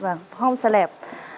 vâng hom slep